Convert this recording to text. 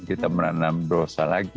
kita menanam dosa lagi